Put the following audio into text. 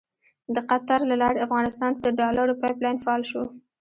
د قطر له لارې افغانستان ته د ډالرو پایپ لاین فعال شو.